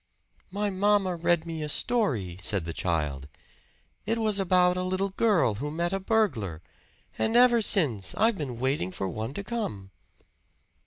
"My mamma read me a story," said the child. "It was about a little girl who met a burglar. And ever since I've been waiting for one to come."